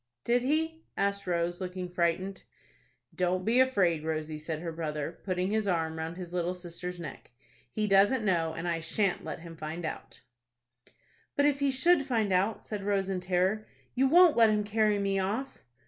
"Did he?" asked Rose, looking frightened. "Don't be afraid, Rosie," said her brother, putting his arm round his little sister's neck. "He doesn't know, and I shan't let him find out." [Illustration: ROSE AND HER ENEMY.] "But if he should find out," said Rose, in terror. "You won't let him carry me off."